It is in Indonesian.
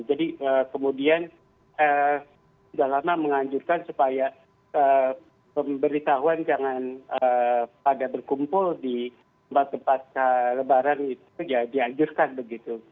jadi kemudian sudah lama menganjurkan supaya pemberitahuan jangan pada berkumpul di tempat tempat lebaran itu ya dianjurkan begitu